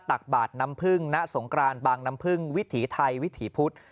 ตักบาทน้ำพึ่งณสงกรานบางน้ำพึ่งวิถีไทยวิถีพุธ